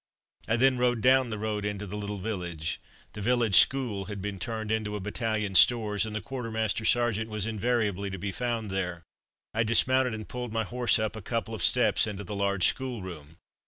I then rode down the road into the little village. The village school had been turned into a battalion stores, and the quartermaster sergeant was invariably to be found there. I dismounted and pulled my horse up a couple of steps into the large schoolroom.